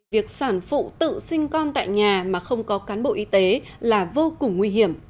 việc sản phụ tự sinh con tại nhà mà không có cán bộ y tế là vô cùng nguy hiểm